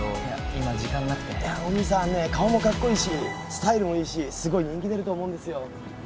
今時間なくてお兄さんねえ顔もカッコいいしスタイルもいいしすごい人気出ると思うんですよ